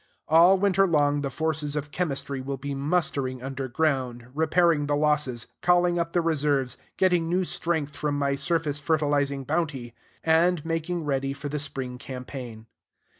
All winter long the forces of chemistry will be mustering under ground, repairing the losses, calling up the reserves, getting new strength from my surface fertilizing bounty, and making ready for the spring campaign.